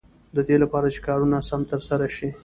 د دې لپاره چې کارونه سم تر سره شي.